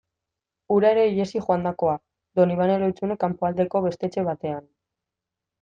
Hura ere ihesi joandakoa, Donibane Lohizune kanpoaldeko beste etxe batean...